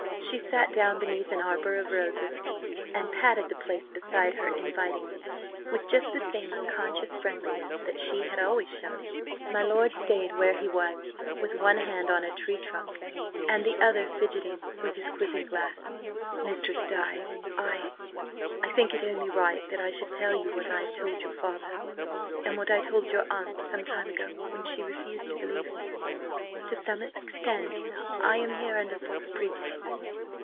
She sat down beneath an arbour of roses, and patted the place beside her invitingly, with just the same unconscious friendliness that she had always shown him. My lord stayed where he was, with one hand on a tree trunk and the other fidgeting with his quizzing glass. "Mistress Di—I think it only right that I should tell you what I have told your father, and what I told your aunt some time ago, when she refused to believe me. To some extent I am here under false pretences.